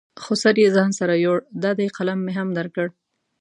خو سر یې ځان سره یوړ، دا دی قلم مې هم درکړ.